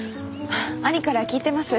兄から聞いてます。